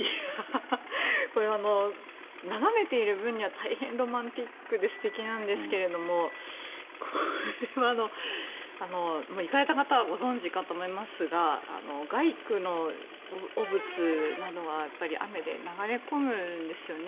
これは眺めている分には大変ロマンチックで素敵なんですがこれは行かれた方はご存じかと思いますが街区の汚物などが雨で流れ込むんですよね。